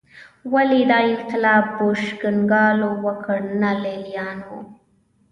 ولې دا انقلاب بوشونګانو وکړ نه لېلیانو